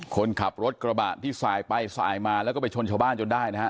คนขับรถกระบะที่สายไปสายมาแล้วก็ไปชนชาวบ้านจนได้นะฮะ